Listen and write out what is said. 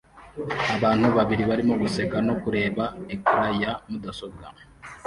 Abantu babiri barimo guseka no kureba ecran ya mudasobwa